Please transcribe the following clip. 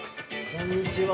こんにちは。